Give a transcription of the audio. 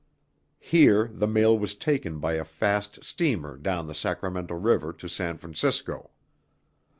Here the mail was taken by a fast steamer down the Sacramento River to San Francisco.